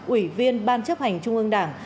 ủy viên ban chấp hành trung ương đảng